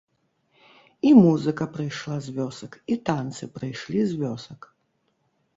І музыка прыйшла з вёсак, і танцы прыйшлі з вёсак.